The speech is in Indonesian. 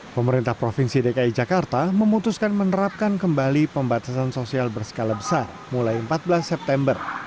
pemerintah provinsi dki jakarta memutuskan menerapkan kembali pembatasan sosial berskala besar mulai empat belas september